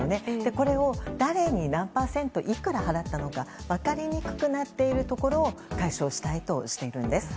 これを誰に何パーセントいくら払ったのか分かりにくくなっているところを解消したいとしているんです。